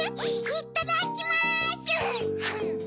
いただきます！